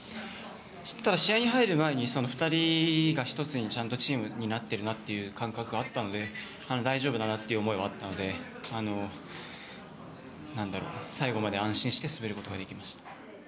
試合に入る前に２人が１つにちゃんとチームになってる感覚はあったので、大丈夫だなという思いはあったので最後まで安心して滑ることができました。